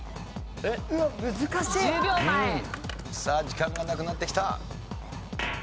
さあ時間がなくなってきた。